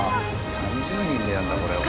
３０人でやるんだこれを。